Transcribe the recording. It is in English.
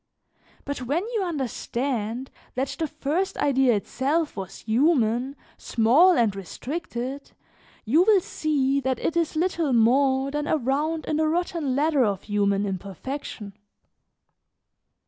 But when you understand that the first idea itself was human, small and restricted, you will see that it is little more than a round in the rotten ladder of human imperfection.